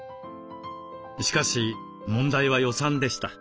しかし問題は予算でした。